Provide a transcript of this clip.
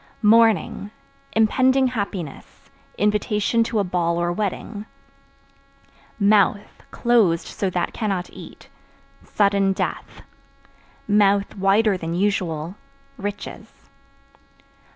Mourning Impending happiness, invitation to a ball or wedding. Mouth (Closed so that cannot eat) sudden death; (wider than usual) riches.